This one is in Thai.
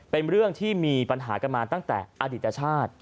เป็นเรื่องที่มีปัญหากันมาตั้งแต่อดีตชาติ